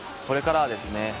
これからはですね